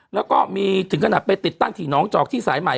แล้วก็มีถึงขนาดไปติดตั้งที่น้องจอกที่สายใหม่